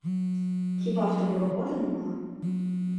Хіба в тебе роботи нема?